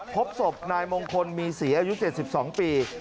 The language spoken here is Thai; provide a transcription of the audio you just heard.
พบศพนายมงคลมีศรีอายุ๗๒ปี